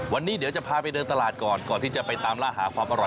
วันนี้เดี๋ยวจะพาไปเดินตลาดก่อนก่อนที่จะไปตามล่าหาความอร่อย